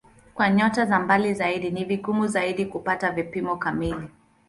Kwa nyota za mbali zaidi ni vigumu zaidi kupata vipimo kamili.